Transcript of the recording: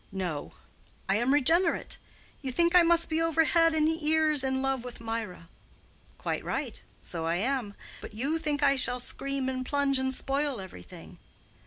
No; I am regenerate. You think I must be over head and ears in love with Mirah. Quite right; so I am. But you think I shall scream and plunge and spoil everything.